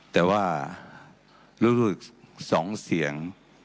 แต่ว่ารูดสองเสียง